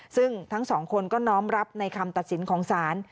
ซึ่งทั้งสองคนก็น้อมรับในคำตัดสินของศาล